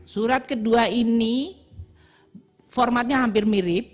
surat kedua ini formatnya hampir mirip